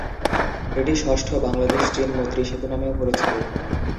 এটি ষষ্ঠ বাংলাদেশ-চীন মৈত্রী সেতু নামেও পরিচিত।